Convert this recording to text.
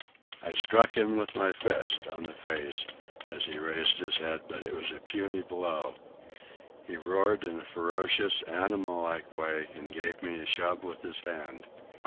I struck him with my fist, on the face, as he raised his head, but it was a puny blow. He roared in a ferocious, animal like way, and gave me a shove with his hand.